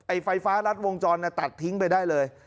ไฟฟ้ารัดวงจรตัดทิ้งไปได้เลย